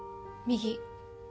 右。